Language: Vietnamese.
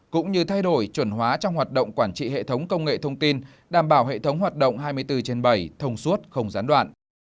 cũng như thay đổi chuẩn hóa trong hoạt động quản trị hệ thống công nghệ thông tin đảm bảo hệ thống hoạt động hai mươi bốn trên bảy thông suốt không gián đoạn